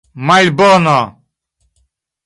malbono